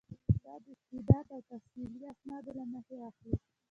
دا د استعداد او تحصیلي اسنادو له مخې اخلي.